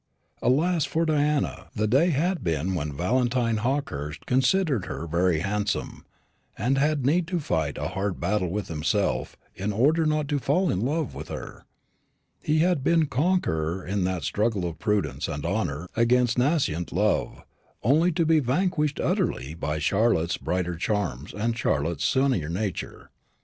Alas for Diana! the day had been when Valentine Hawkehurst considered her very handsome, and had need to fight a hard battle with himself in order not to fall in love with her. He had been conqueror in that struggle of prudence and honour against nascent love, only to be vanquished utterly by Charlotte's brighter charms and Charlotte's sunnier nature.